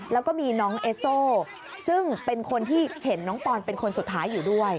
แล้วก็มีน้องเอสโซซึ่งเป็นคนที่เห็นน้องปอนเป็นคนสุดท้ายอยู่ด้วย